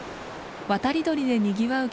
渡り鳥でにぎわう